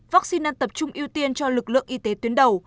vaccine đang tập trung ưu tiên cho lực lượng y tế tuyến đầu